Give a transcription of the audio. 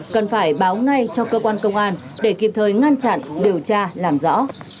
cần phải báo ngay cho cơ quan công an để kịp thời ngăn chặn điều tra làm rõ